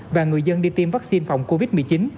và người dân đi tiêm vaccine phòng covid một mươi chín